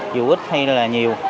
dù ít hay là nhiều